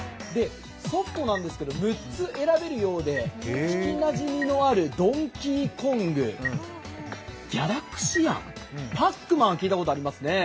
ソフトなんですけど６つ選べるようで聞きなじみのある「ドンキーコング」「ギャラクシアン」「パックマン」は聞いたことがありますね。